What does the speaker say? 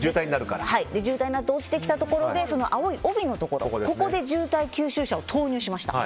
渋滞になって落ちてきたところで青い帯のところここで渋滞吸収車を投入しました。